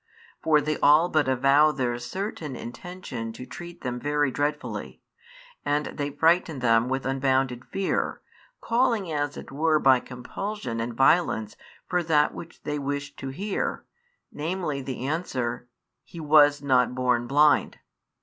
For they all but avow their certain intention to treat them very dreadfully, and they frighten them with unbounded fear, calling as it were by compulsion and violence for that which they wished to hear, namely the answer: "He was not born blind."